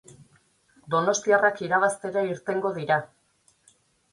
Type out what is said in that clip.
Donostiarrak irabaztera irtengo dira.